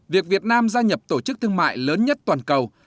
việc việt nam gia nhập tổ chức thương mại lớn nhất toàn cầu